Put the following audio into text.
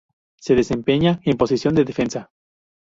Se desempeña en posición de defensa.